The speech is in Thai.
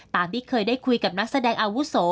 ที่เคยได้คุยกับนักแสดงอาวุโส